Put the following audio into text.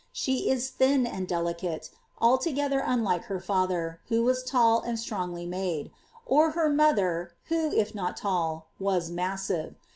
She is thin and delicate, altogether unlike her father, who was tall, and strongly made ; or her mother, who, if not tall, was massive.